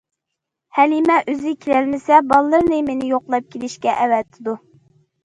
ھەلىمە ئۆزى كېلەلمىسە، بالىلىرىنى مېنى يوقلاپ كېلىشكە ئەۋەتىدۇ.